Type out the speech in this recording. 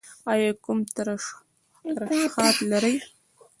ایا کوم ترشحات لرئ؟